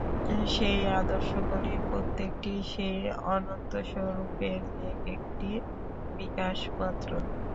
সেই আদর্শগুলির প্রত্যেকটিই সেই অনন্তস্বরূপের এক-একটি বিকাশ মাত্র।